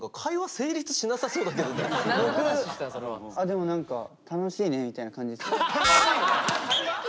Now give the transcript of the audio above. でも何か「楽しいね」みたいな感じですよね。